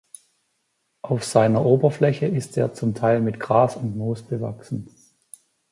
Auf seiner Oberfläche ist er zum Teil mit Gras und Moos bewachsen.